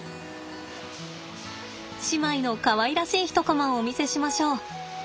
姉妹のかわいらしい一コマをお見せしましょう。